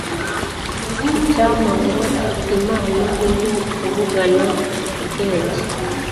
icyampa ngo imana impe kuvugana ubwenge